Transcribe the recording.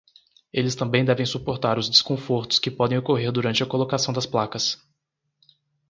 Eles também devem suportar os desconfortos que podem ocorrer durante a colocação das placas.